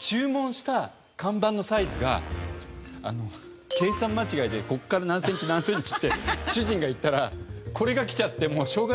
注文した看板のサイズが計算間違いでここから何センチ何センチって主人が言ったらこれが来ちゃってもうしょうがなく貼っちゃった。